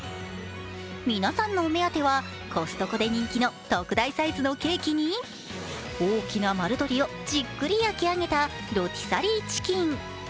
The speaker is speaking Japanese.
皆さんのお目当てはコストコで人気の特大サイズのケーキに、大きな丸鶏をじっくり焼き上げたロティサリーチキン。